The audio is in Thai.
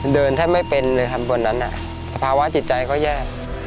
เดินถ้าไม่เป็นเลยครับวันนั้นสภาวะจิตใจก็แย่